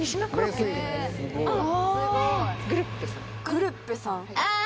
グルッペさん。